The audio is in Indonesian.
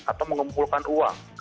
atau mengumpulkan uang